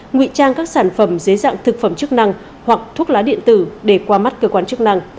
nguy trang các sản phẩm dưới dạng thực phẩm chức năng hoặc thuốc lá điện tử để qua mắt cơ quan chức năng